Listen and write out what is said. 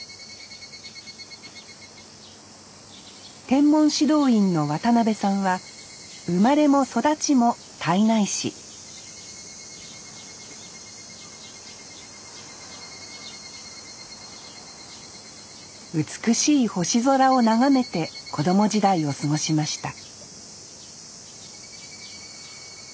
天文指導員の渡辺さんは生まれも育ちも胎内市美しい星空を眺めて子供時代を過ごしました